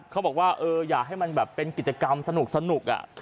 เขาบอกว่าอยากให้มันแบบเป็นกิจกรรมสนุก